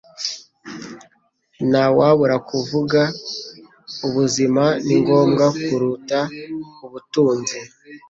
Ntawabura kuvuga, ubuzima ni ngombwa kuruta ubutunzi.